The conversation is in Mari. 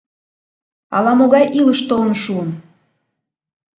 «Ала-могай илыш толын шуын?